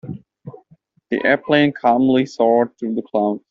The airplane calmly soared through the clouds.